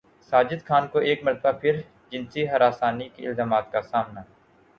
ساجد خان کو ایک مرتبہ پھر جنسی ہراسانی کے الزامات کا سامنا